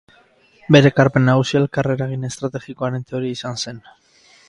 Bere ekarpen nagusia elkarreragin estrategikoaren teoria izan zen.